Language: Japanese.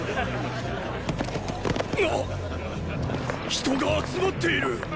人が集まっている！